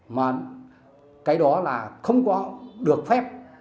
mà cái đó là không có được phép